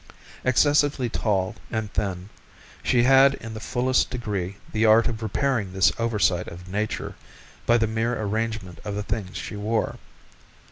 Excessively tall and thin, she had in the fullest degree the art of repairing this oversight of Nature by the mere arrangement of the things she wore.